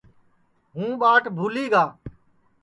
ہُوں ٻاٹ بھُولی گی گا